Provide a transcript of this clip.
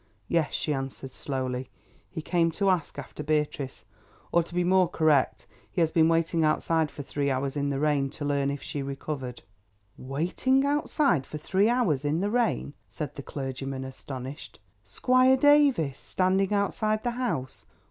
"Yes," she answered slowly, "he came to ask after Beatrice, or to be more correct he has been waiting outside for three hours in the rain to learn if she recovered." "Waiting outside for three hours in the rain," said the clergyman astonished—"Squire Davies standing outside the house!